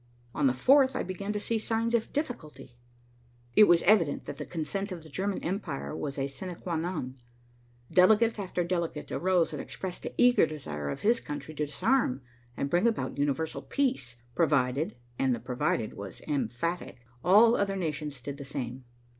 On the fourth, I began to see signs of difficulty. It was evident that the consent of the German empire was a sine qua non. Delegate after delegate arose and expressed the eager desire of his country to disarm and bring about universal peace, provided (and the provided was emphatic) all other nations did the same.